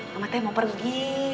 kamu mau pergi